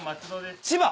千葉？